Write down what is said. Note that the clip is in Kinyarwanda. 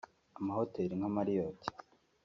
Amahoteli nka Marriot